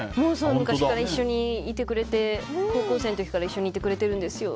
昔から一緒にいてくれて高校生の時から一緒にいてくれてるんですよ。